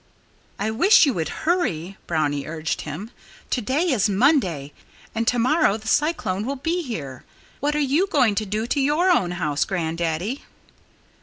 "I wish you would hurry," Brownie urged him. "To day is Monday; and tomorrow the cyclone will be here.... What are you going to do to your own house, Grandaddy?"